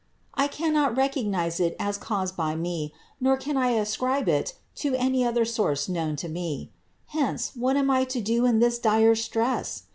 I cannot recognize it as caused by me, nor can I ascribe it to any other source known to me. Hence, what am I to do in this dire stress?